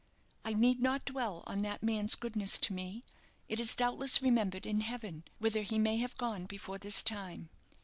I need not dwell on that man's goodness to me; it is, doubtless, remembered in heaven, whither he may have gone before this time.